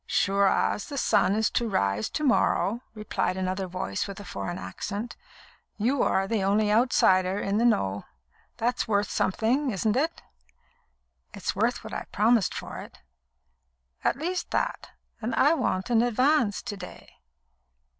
"Sure as the sun is to rise to morrow," replied another voice with a foreign accent. "You are the only outsider in the know. That's worth something, isn't it?" "It's worth what I've promised for it." "At least that. And I want an advance to day."